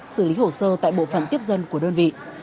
xử lý hồ sơ tại bộ phận tiếp dân của đơn vị